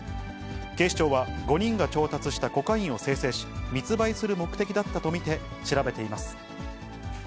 警視庁は５人が調達したコカインを精製し、密売する目的だったと見て調べています。